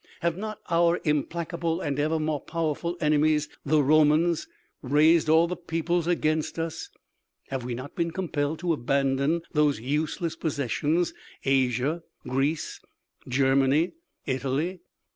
Have not our implacable and ever more powerful enemies, the Romans, raised all the peoples against us? Have we not been compelled to abandon those useless possessions Asia, Greece, Germany, Italy?